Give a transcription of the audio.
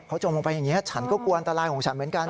เขาจมลงไปอย่างนี้ฉันก็กลัวอันตรายของฉันเหมือนกัน